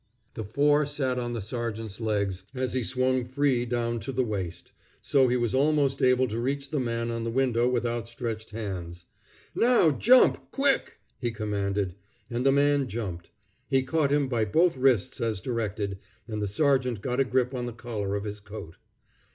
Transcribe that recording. The four sat on the sergeant's legs as he swung free down to the waist; so he was almost able to reach the man on the window with outstretched hands. "Now jump quick!" he commanded; and the man jumped. He caught him by both wrists as directed, and the sergeant got a grip on the collar of his coat.